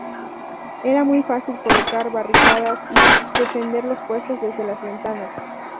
Era muy fácil colocar barricadas y defender los puestos desde las ventanas.